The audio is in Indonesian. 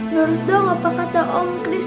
menurut dong apa kata om krishna